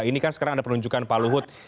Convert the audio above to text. ini kan sekarang ada penunjukan pak luhut